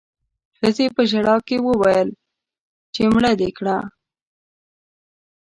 ښځې په ژړا کې وويل چې مړه دې کړه